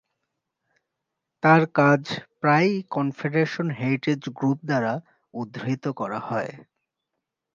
তার কাজ প্রায়ই কনফেডারেশন হেরিটেজ গ্রুপ দ্বারা উদ্ধৃত করা হয়।